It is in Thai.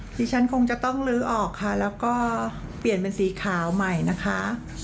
ดิฉันคงจะต้องลื้อออกค่ะแล้วก็เปลี่ยนเป็นสีขาวใหม่นะคะ